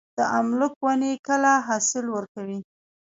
د املوک ونې کله حاصل ورکوي؟